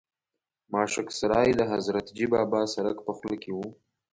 ماشک سرای د حضرتجي بابا سرک په خوله کې و.